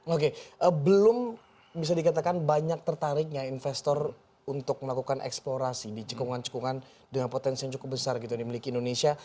oke belum bisa dikatakan banyak tertariknya investor untuk melakukan eksplorasi di cekungan cekungan dengan potensi yang cukup besar gitu yang dimiliki indonesia